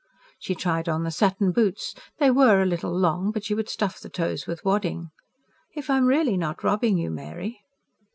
She tried on the satin boots; they were a little long, but she would stuff the toes with wadding. "If I am REALLY not robbing you, Mary?"